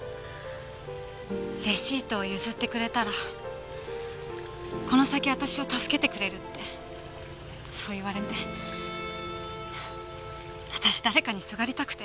レシートを譲ってくれたらこの先私を助けてくれるってそう言われて私誰かにすがりたくて。